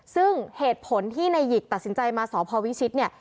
ซึ่งเหตุผลที่นายหยิกตัดสินใจมาสพวิชิตเนี่ย